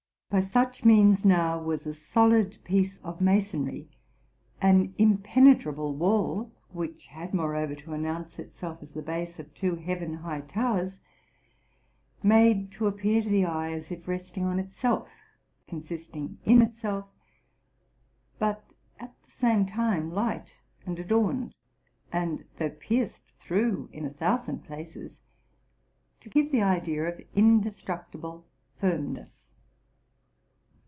By such means, now, was a solid piece of masonry, an im penetrable wall, which had moreover to announce itself as the base of two beaven high towers, made to appear to the eye as if resting on itself, consisting in itself, but at the same time light and adorned, and, though pierced through in a thousand places, to give the idea of indestructible firmness.